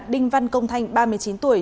đinh văn công thanh ba mươi chín tuổi